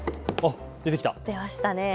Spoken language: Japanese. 出ましたね。